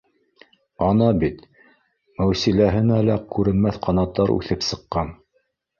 Ана бит, Мәүсиләһенә лә күренмәҫ ҡанаттар үҫеп сыҡҡан